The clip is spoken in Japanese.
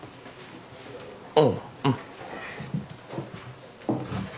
ああうん。